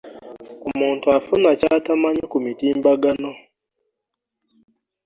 omuntu afuna ky'atamanyi ku mutimbagano.